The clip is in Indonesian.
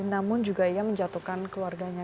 namun juga ia menjatuhkan keluarganya